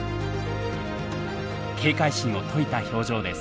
警戒心を解いた表情です。